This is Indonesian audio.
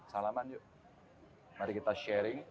salaman yuk mari kita sharing